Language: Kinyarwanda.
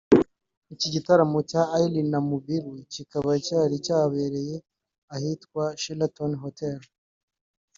Iki gitaramo cya Iryn Namubiru kikaba cyari cyabereye ahitwa Sheraton Hotel